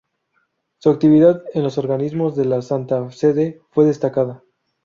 Su actividad en los organismos de la Santa Sede fue destacada.